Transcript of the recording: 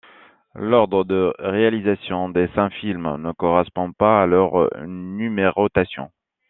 L'ordre de réalisation des cinq films ne correspond pas à leur numérotation.